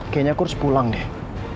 kayaknya aku harus pulang deh